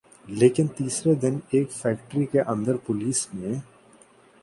لیکن تیسرے دن ایک فیکٹری کے اندر پولیس نے